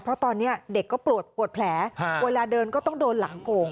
เพราะตอนนี้เด็กก็ปวดแผลเวลาเดินก็ต้องโดนหลังโก่ง